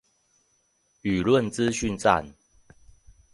輿論資訊戰